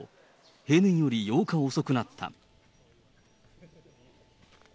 平年より８日遅くなった。